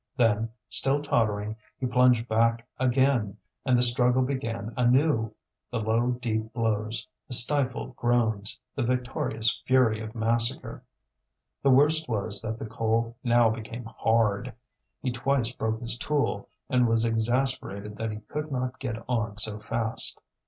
Then, still tottering, he plunged back again, and the struggle began anew the low, deep blows, the stifled groans, the victorious fury of massacre. The worst was that the coal now became hard; he twice broke his tool, and was exasperated that he could not get on so fast.